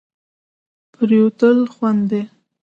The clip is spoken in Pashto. پرېوتل خوند دی.